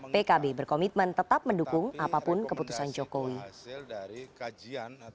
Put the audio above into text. pkb berkomitmen tetap mendukung apapun keputusan jokowi